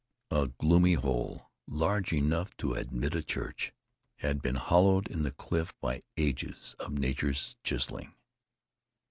A gloomy hole, large enough to admit a church, had been hollowed in the cliff by ages of nature's chiseling.